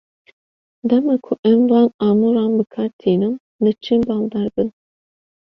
Dema ku em van amûran bi kar tînin, li çi baldar bin?